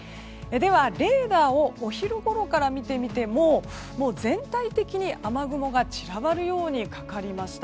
では、レーダーをお昼ごろから見てみても全体的に雨雲が散らばるようにかかりました。